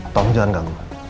tom jangan ganggu